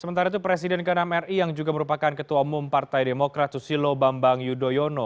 sementara itu presiden ke enam ri yang juga merupakan ketua umum partai demokrat susilo bambang yudhoyono